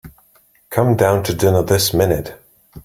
Come down to dinner this minute.